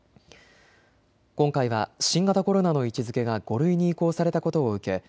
今回は新型コロナの位置づけが５類に移行されたことを受け